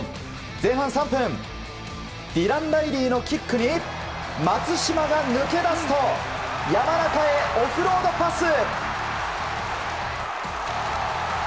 前半３分ディラン・ライリーのキックに松島が抜け出すと山中へオフロードパス。